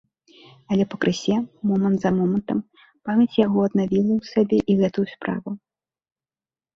Але пакрысе, момант за момантам, памяць яго аднавіла ў сабе і гэтую справу.